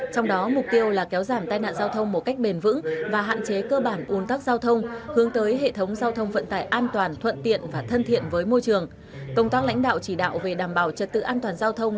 trong đó mục tiêu là kéo giảm tai nạn giao thông một cách bền vững và hạn chế cơ bản uốn tắc giao thông hướng tới hệ thống giao thông vận tải an toàn thuận tiện và thân thiện với môi trường